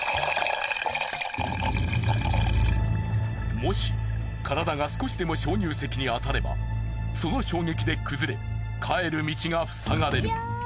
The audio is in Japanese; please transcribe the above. もし体が少しでも鍾乳石に当たればその衝撃で崩れ帰る道がふさがれる。